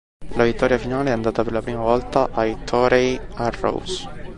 La vittoria finale è andata per la prima volta ai Toray Arrows.